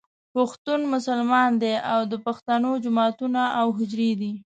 پښتون مسلمان دی او د پښتنو جوماتونه او حجرې دي.